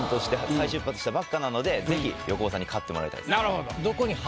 ばっかなのでぜひ横尾さんに勝ってもらいたいですね。